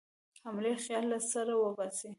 حملې خیال له سره وباسي.